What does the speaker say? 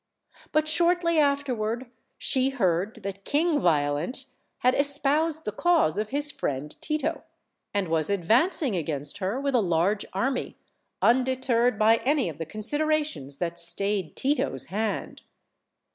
But shortly afterward she heard that King Violent had espoused the cause of his friend Tito, and was advancing against her with a large army, undeterred by any of the considerations that stayed Tito's hand.